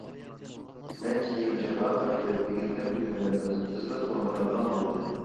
نەچچە يىل جاپا تارتىپ ئىگىلىگەن بىلىملىرىمىز تېزلا كونىرايدىغان بولدى.